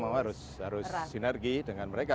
ya kerjasama harus sinergi dengan mereka